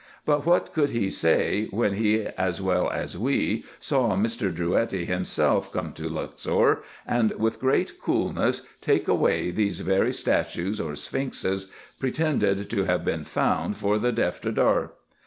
But what could he say, when he as well as we saw Mr. Drouetti himself come to Luxor, and with great coolness take away these very statues or sphinxes, pretended to have been 150 RESEARCHES AND OPERATIONS found for the Defterdar